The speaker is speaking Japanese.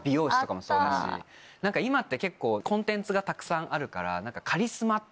何か今って結構コンテンツがたくさんあるから。